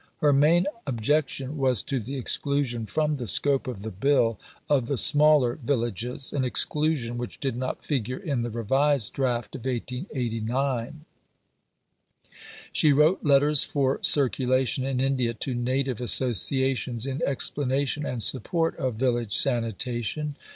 Her main objection was to the exclusion from the scope of the Bill of the smaller villages, an exclusion which did not figure in the revised draft of 1889. She wrote letters for circulation in India to Native Associations in explanation and support of Village Sanitation.